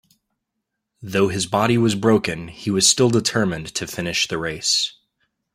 Though his body was broken, he was still determined to finish the race.